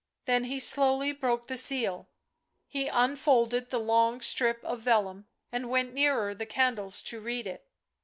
Then he slowly broke the seal. He unfolded the long strip of vellum, and went nearer the candles to read it.